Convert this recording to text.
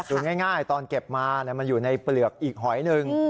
ดูง่ายตอนเก็บมามันอยู่ในเปลือกอีกหอยหนึ่ง